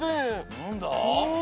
なんだ？